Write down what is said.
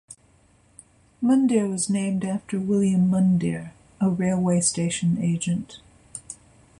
Mundare was named after William Mundare, a railway station agent.